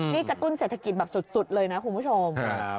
นี่กระตุ้นเศรษฐกิจแบบสุดเลยนะคุณผู้ชม